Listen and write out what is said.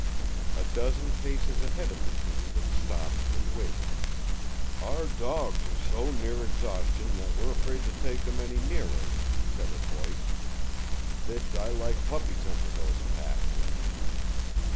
A dozen paces ahead of the team it stopped and waited. "Our dogs are so near exhaustion that we're afraid to take them any nearer," said a voice. "They'd die like puppies under those packs!"